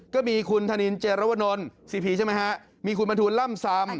ก็มีคุณธนินเจรวนลสีพีใช่ไหมฮะมีคุณบรรทูลล่ำซำ